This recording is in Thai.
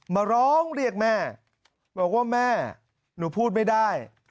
มาร้องเรียกแม่บอกว่าแม่หนูพูดไม่ได้